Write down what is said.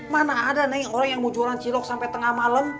mana ada neng orang yang mau jualan cilok sampe tengah malem